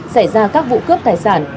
xảy ra các vụ cướp tài sản